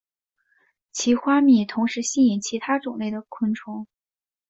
其花蜜同时吸引其他种类的昆虫。